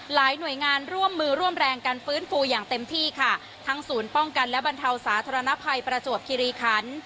หน่วยงานร่วมมือร่วมแรงกันฟื้นฟูอย่างเต็มที่ค่ะทั้งศูนย์ป้องกันและบรรเทาสาธารณภัยประจวบคิริคัน